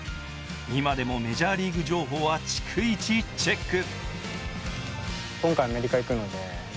今でもメジャーリーグ情報は逐一チェック。